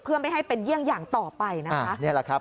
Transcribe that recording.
เพื่อไม่ให้เป็นเยี่ยงอย่างต่อไปนะคะนี่แหละครับ